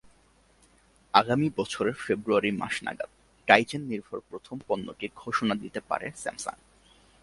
আগামী বছরের ফেব্রুয়ারি মাস নাগাদ টাইজেননির্ভর প্রথম পণ্যটির ঘোষণা দিতে পারে স্যামসাং।